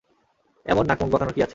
এমন নাক-মুখ বাঁকানোর কী আছে!